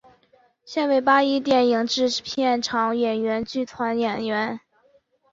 现为八一电影制片厂演员剧团演员。